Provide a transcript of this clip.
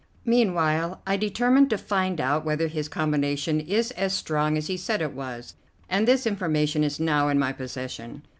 Meanwhile I determined to find out whether his combination is as strong as he said it was, and this information is now in my possession.